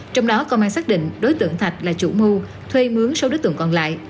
trong đó công an xác định đối tượng thạch là chủ mưu thuê mướn số đối tượng còn lại